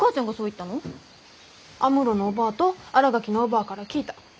安室のおばぁと新垣のおばぁから聞いた。